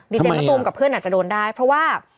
เจนมะตูมกับเพื่อนอาจจะโดนได้เพราะว่า